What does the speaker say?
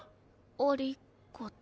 ありがと。